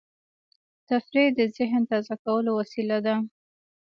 تفریح د ذهن تازه کولو وسیله ده.